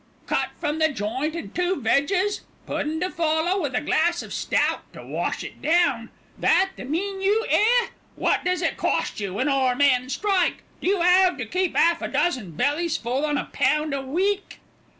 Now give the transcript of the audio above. Cut from the joint and two vegs, puddin' to follow, with a glass of stout to wash it down. That the meenyou, eh? What does it cost you when our men strike? Do you 'ave to keep 'alf a dozen bellies full on a pound a week?"